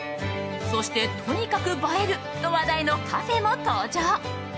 そして、とにかく映えると話題のカフェも登場。